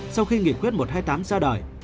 sau khi nghị quyết một trăm hai mươi tám ra đời